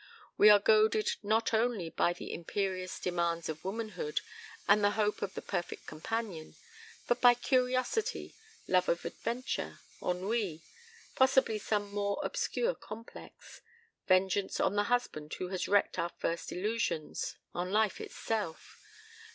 We are goaded not only by the imperious demands of womanhood and the hope of the perfect companion, but by curiosity, love of adventure, ennui; possibly some more obscure complex vengeance on the husband who has wrecked our first illusions on Life itself.